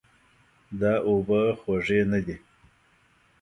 دا اوبه خوږې نه دي.